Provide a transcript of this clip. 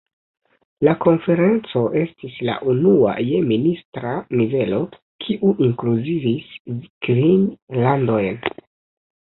La konferenco estis la unua je ministra nivelo, kiu inkluzivis kvin landojn.